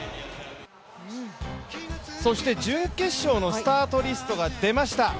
準決勝のスタートリストが出ました。